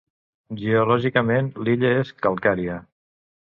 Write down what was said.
Geològicament l'illa és calcària.